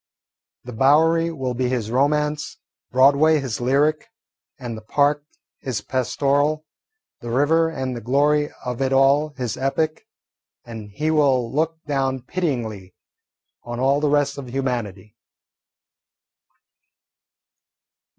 The Bowery will be his romance, Broadway his lyric, and the Park his pastoral, the river and the glory of it all his epic, and he will look down pityingly on all the rest of humanity.